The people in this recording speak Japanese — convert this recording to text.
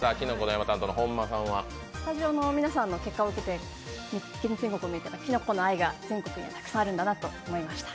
スタジオの皆さんの結果を見ててきのこの愛が全国にはたくさんあるんだなと思いました。